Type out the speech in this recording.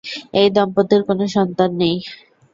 এই দম্পতির কোন সন্তান নেই।